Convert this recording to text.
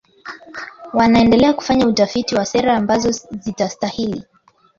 wanaendelea kufanya utafiti wa sera ambazo zitastahili